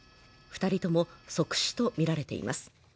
二人とも即死と見られています